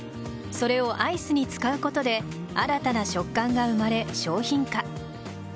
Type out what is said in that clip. それをアイスに使うことで新たな食感が生まれ、商品化。